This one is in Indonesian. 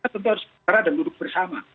tentu harus bicara dan duduk bersama